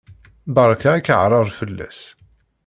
Berka akaɛrer fell-as!